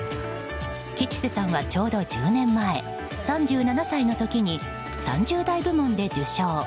吉瀬さんはちょうど１０年前３７歳の時に３０代部門で受賞。